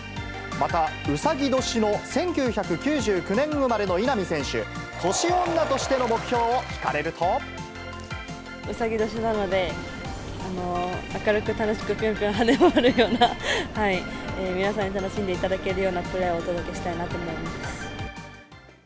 また、うさぎ年の１９９９年生まれの稲見選手、年女としての目標を聞かうさぎ年なので、明るく楽しくぴょんぴょん跳ね回るような、皆さんに楽しんでいただけるようなプレーをお届けしたいなと思います。